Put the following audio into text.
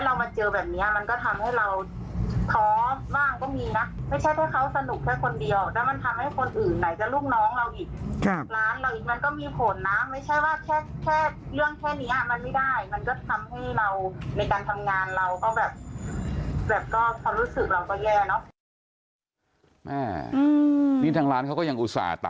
แล้วเรามาเจอแบบนี้มันก็ทำให้เราท้อว่างก็มีนะ